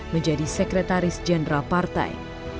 menjadi sekretaris jenderal partai